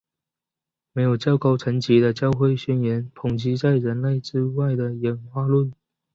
没有较高层级的教会宣言抨击在人类之外的演化论。